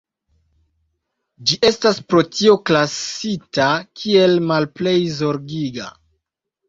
Ĝi estas pro tio klasita kiel "Malplej Zorgiga".